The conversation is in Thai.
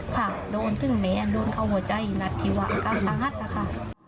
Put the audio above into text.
ค่ะโดนถึงแม้โดนเขาหัวใจนัดธิวะกันต่างหัดแล้วค่ะ